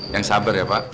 yang sabar ya pak